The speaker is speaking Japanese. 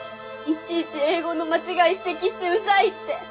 いちいち英語の間違い指摘してうざいって。